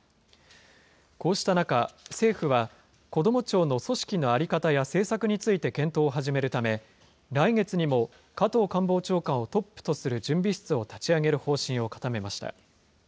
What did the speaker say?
こうした中、政府は、こども庁の組織の在り方や政策について検討を始めるため、来月にも加藤官房長官をトップとする準備室を立ち上げる方針を固めました。